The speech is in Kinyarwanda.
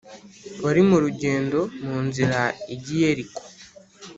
wari mu rugendo mu nzira ijya i Yeriko